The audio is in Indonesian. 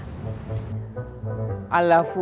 jadi kamu gak perlu bawa bawa keranda